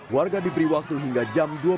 warga diberi waktu hingga jam dua belas malam